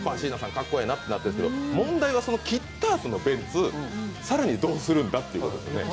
かっこいいなとなったんですけど問題は切ったあとのベンツ更にどうするんだということです。